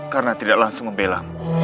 karena tidak langsung membela